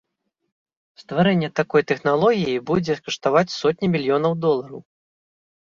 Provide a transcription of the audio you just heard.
Стварэнне такой тэхналогіі будзе каштаваць сотні мільёнаў долараў.